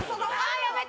やめて！